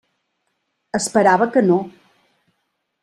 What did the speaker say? Esperava que no.